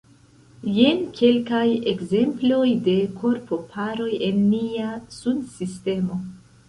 Jen kelkaj ekzemploj de korpo-paroj en nia sunsistemo.